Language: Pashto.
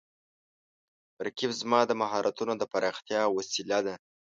رقیب زما د مهارتونو د پراختیا وسیله ده